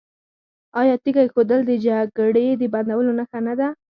آیا تیږه ایښودل د جګړې د بندولو نښه نه ده؟